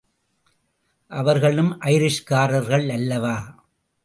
அவர்களும் ஐரிஷ்காரர்கள் அல்லவா!